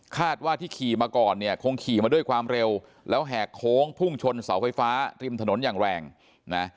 ว่าที่ขี่มาก่อนเนี่ยคงขี่มาด้วยความเร็วแล้วแหกโค้งพุ่งชนเสาไฟฟ้าริมถนนอย่างแรงนะ